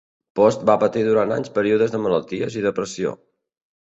Post va patir durant anys períodes de malalties i depressió.